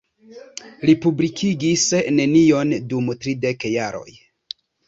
Li publikigis nenion dum tridek jaroj.